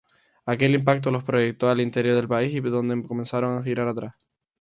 Aquel impacto los proyectó al interior del país, donde comenzaron a realizar giras.